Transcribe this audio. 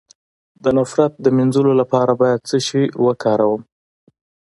د نفرت د مینځلو لپاره باید څه شی وکاروم؟